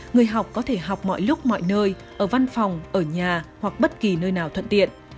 người học có thể học mọi lúc mọi nơi ở văn phòng ở nhà hoặc bất kỳ nơi nào thuận tiện